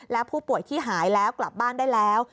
และผู้ป่วยที่หายแล้วกลับบ้านได้แล้ว